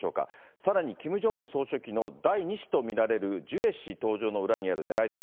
さらに、キム・ジョンウン総書記の第２子と見られるジュエ氏登場の裏にあるねらいとは。